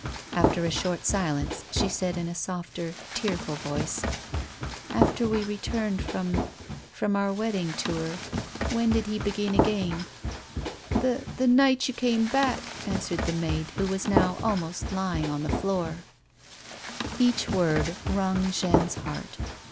After a short silence she said in a softer, tearful voice : "After we returned from — from our wedding tour — when did he begin again 1 "" The — the night you came back," answered the maid who was now almost lying on the floor. 116 A WOMAN'S LIFE. Each word rung Jeanne's heart.